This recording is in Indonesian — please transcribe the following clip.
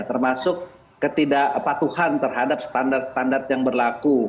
termasuk ketidakpatuhan terhadap standar standar yang berlaku